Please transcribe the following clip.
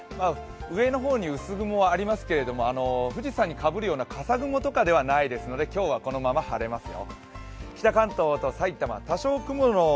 上の方に薄雲、ありますけど富士山にかぶるような笠雲とかではないですので今日はこのまま晴れますよ。